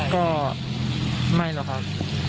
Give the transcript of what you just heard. ก็ไม่หรอกครับ